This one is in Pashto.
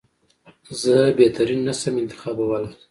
زه بهترین نه شم انتخابولای.